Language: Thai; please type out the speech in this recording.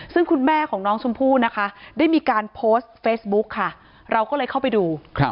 ซึ่งคุณแม่ของน้องชมพู่นะคะได้มีการโพสต์เฟซบุ๊คค่ะเราก็เลยเข้าไปดู